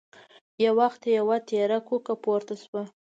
يو وخت يوه تېره کوکه پورته شوه.